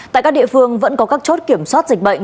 tại các địa phương vẫn có các chốt kiểm soát dịch bệnh